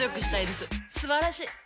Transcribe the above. すばらしい！